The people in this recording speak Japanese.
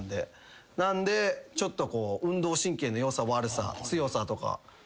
なんでちょっと運動神経の良さ悪さ強さとか。